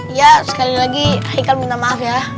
iya sekali lagi ikhal minta maaf ya